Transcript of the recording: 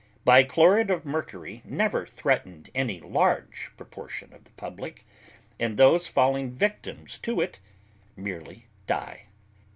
Bichlorid of mercury never threatened any large proportion of the public, and those falling victims to it merely die.